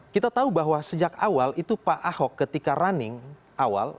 kita tahu bahwa sejak awal itu pak ahok ketika running awal